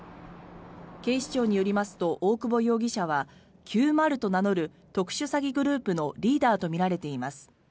警視庁によりますと大久保容疑者は９０と名乗る特殊詐欺グループのリーダーとみられています。